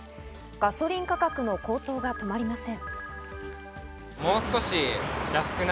ガソリン価格の高騰が止まりません。